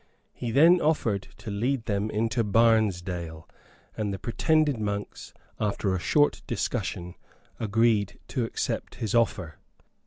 He then offered to lead them into Barnesdale; and the pretended monks, after a short discussion, agreed to accept his offer.